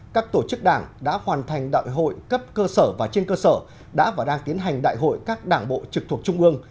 các tổ chức đảng đã hoàn thành đại hội cấp cơ sở và trên cơ sở đã và đang tiến hành đại hội các đảng bộ trực thuộc trung ương